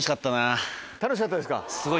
楽しかったですか。